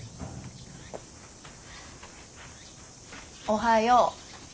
おはよう。